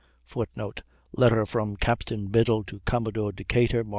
[Footnote: Letter from Captain Biddle to Commodore Decatur, Mar.